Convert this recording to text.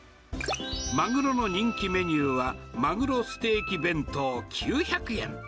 マグロの人気メニューはマグロステーキ弁当９００円。